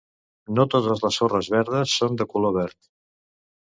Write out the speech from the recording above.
No totes les sorres verdes són de color verd.